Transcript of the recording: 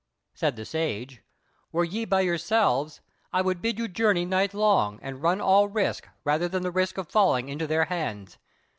Said the Sage: "Were ye by yourselves, I would bid you journey night long, and run all risk rather than the risk of falling into their hands.